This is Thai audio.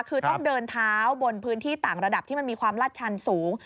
คือต้องเดินเท้าบนพื้นที่ต่างระดับที่มันมีความลาดชันสูง